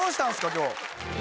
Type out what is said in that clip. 今日。